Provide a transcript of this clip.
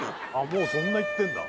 もうそんないってんだ